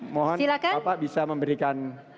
mohon bapak bisa memberikan